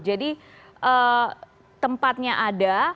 jadi tempatnya ada